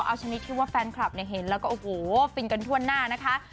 เอาชนิดที่ว่าแฟนคลับเห็นแล้วก็โอ้โหฟินกันทั่วหน้านะคะ